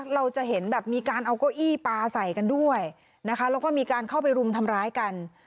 เราจะเห็นแบบมีการเอาเก้าอี้ปลาใส่กันด้วยนะคะแล้วก็มีการเข้าไปรุมทำร้ายกัน